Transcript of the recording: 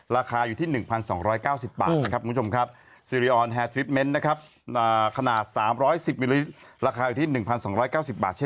ราคาอยู่ที่สี่หนึ่งพันสองร้อยเก้าสิบบาท